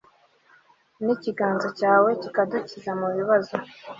n'ikiganza cyawe kikadukiza mubibazo